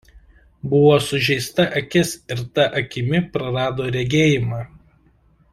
Buvo sužeista akis ir ta akimi prarado regėjimą.